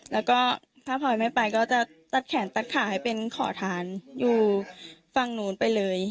แล้วก็ถ้าพลอยไม่ไปก็จะตัดแขนตัดขาให้เป็นขอทานอยู่ฝั่งนู้นไปเลย